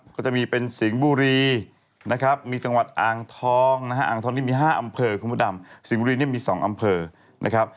ก็จะมีเป็นสิงห์บุรีนะครับมีจังหวัดอ่างทองนะฮะอ่างทองนี่มี๕อำเภอคุณพระดำสิงห์บุรีนี่มี๒อำเภอนะครับ